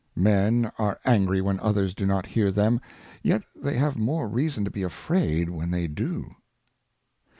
Men are angry when others do not hear them, yet they have more Reason to be afraid when they do.